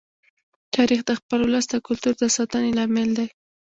تاریخ د خپل ولس د کلتور د ساتنې لامل دی.